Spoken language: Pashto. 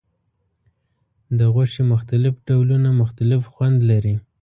د غوښې مختلف ډولونه مختلف خوند لري.